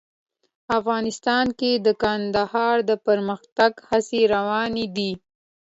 افغانستان کې د کندهار د پرمختګ هڅې روانې دي.